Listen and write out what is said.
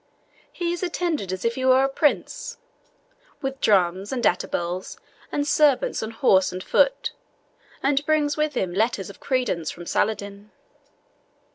He is attended as if he were a prince, with drums and atabals, and servants on horse and foot, and brings with him letters of credence from Saladin."